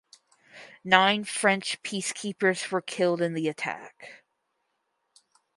Nine French peacekeepers were killed in the attack.